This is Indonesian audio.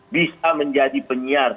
bisa menjadi penyiar